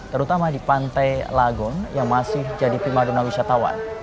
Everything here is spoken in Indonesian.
terutama di pantai lagun yang masih jadi pima dunia wisatawan